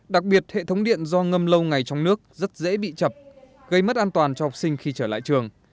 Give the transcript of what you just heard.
đặc biệt hệ thống điện do ngâm lâu ngày trong nước rất dễ bị chập gây mất an toàn cho học sinh khi trở lại trường